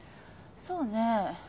そうね。